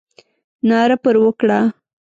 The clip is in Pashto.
ناره پر وکړه.